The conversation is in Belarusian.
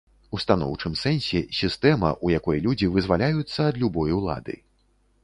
У станоўчым сэнсе, сістэма, у якой людзі вызваляюцца ад любой улады.